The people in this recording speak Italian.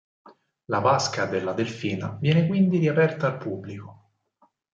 La vasca della delfina viene quindi riaperta al pubblico.